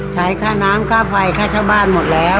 ใช้ค่าน้ำค่าไฟค่าเช่าบ้านหมดแล้ว